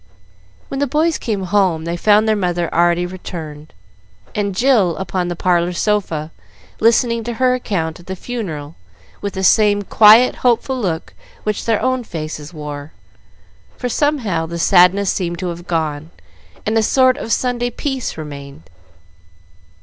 When the boys came home they found their mother already returned, and Jill upon the parlor sofa listening to her account of the funeral with the same quiet, hopeful look which their own faces wore; for somehow the sadness seemed to have gone, and a sort of Sunday peace remained.